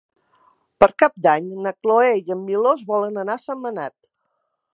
Per Cap d'Any na Cloè i en Milos volen anar a Sentmenat.